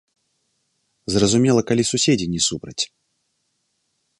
Зразумела, калі суседзі не супраць.